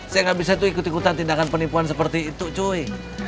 saya nggak bisa ikut ikutan tindakan penipuan seperti itu cuy